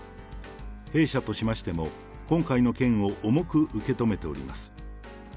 弊社としましても、今回の件を重く受け止めております。